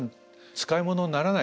使い物にならない。